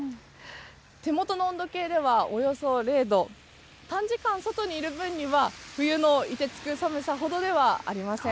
手元の温度計ではおよそ０度、短時間、外にいる分には、冬のいてつく寒さほどではありません。